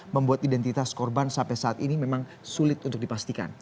membuat identitas korban sampai saat ini memang sulit untuk dipastikan